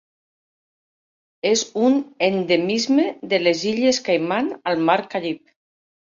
És un endemisme de les Illes Caiman al Mar Carib.